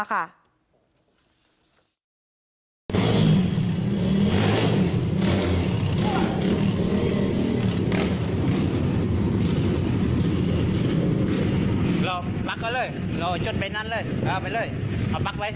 กับปัดปัดปัดปัดในรถอันไปเลยนี่เอาปัดเปิดเลยเปิดเลย